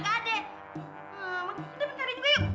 mendingan mencarinya gua yuk